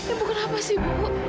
ibu kenapa sih ibu